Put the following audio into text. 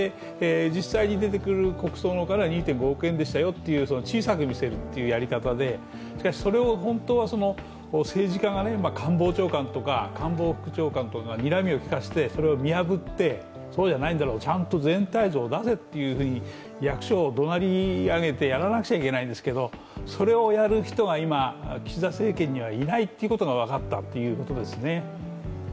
実際に出てくる国葬の方は２．５億円でしたよっていうふうに小さく見せるっていうやり方でしかしそれを本当は政治家が官房長官とか官房副長官とかがにらみを利かせて、それを見破って、そうじゃないだろ、ちゃんと全体像を出せというふうにどなりあげてやらなくちゃいけないんですけどそれをやる人が今、岸田政権にはいないということが分かったということですね。